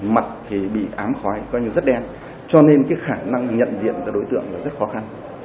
mặt thì bị ám khói coi như rất đen cho nên cái khả năng nhận diện ra đối tượng là rất khó khăn